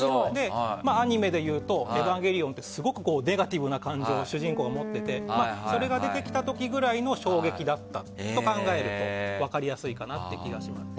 アニメでいうと「エヴァンゲリオン」ってすごくネガティブな感情を主人公が持っていてそれが出てきた時ぐらいの衝撃だったと考えると分かりやすいかなという気がします。